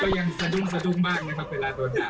บทบาทครับนี่ก็ยังสะดุ้งมากเวลาโดด่า